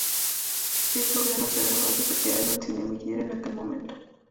Seis programas ya grabados se quedaron sin emitir en aquel momento.